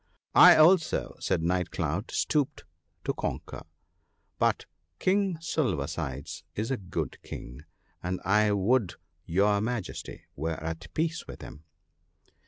* I also,' said Night cloud, * stooped to conquer, but King Silver sides is a good King, and I would your Majesty were at peace with him.'